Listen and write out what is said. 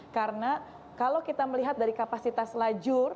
karena kalau kita melihat dari kapasitas lajur